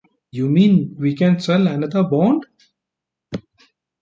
You mean we can sell another bond?